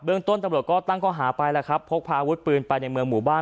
ต้นตำรวจก็ตั้งข้อหาไปแล้วครับพกพาอาวุธปืนไปในเมืองหมู่บ้าน